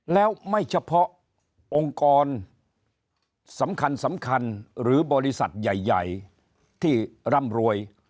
แล้วไม่เฉพาะองค์กรสำคัญสำคัญหรือบริษัทใหญ่ที่ร่ำรวย